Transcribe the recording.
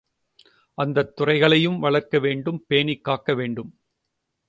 அந்தத் துறைகளையும் வளர்க்க வேண்டும் பேணிக் காக்கவேண்டும்.